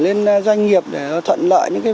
lên doanh nghiệp để nó thuận lợi những cái